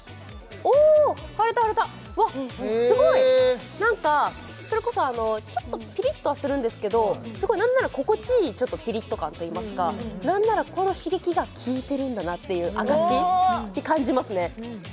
おお貼れた貼れたうわすごい何かそれこそちょっとピリッとはするんですけどすごい何なら心地いいピリッと感といいますか何ならこの刺激が効いてるんだなっていう証しに感じますね